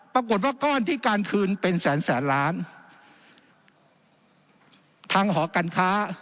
ปรากฏว่าก้อนที่การคืนเป็นแสนแสนล้านทางหอการค้า